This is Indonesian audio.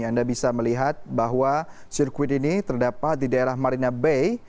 anda bisa melihat bahwa sirkuit ini terdapat di daerah marina bay